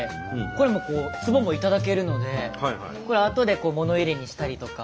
これもつぼも頂けるのでこれあとで物入れにしたりとか。